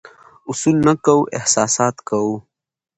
اصول نه کوو، احساسات کوو.